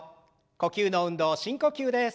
呼吸の運動深呼吸です。